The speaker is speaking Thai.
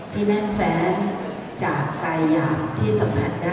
ที่แน่นแฟ้นจากกายอย่างที่สัมผัสได้